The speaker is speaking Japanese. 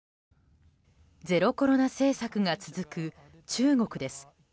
ゼロコロナ政策が続く中国です。